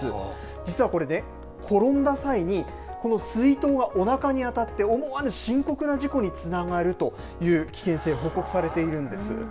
実はこれね、転んだ際にこの水筒がおなかに当たって思わぬ深刻な事故につながるという危険性報告されているんです。